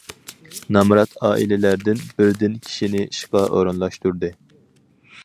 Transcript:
نامرات ئائىلىلەردىن بىردىن كىشىنى ئىشقا ئورۇنلاشتۇردى.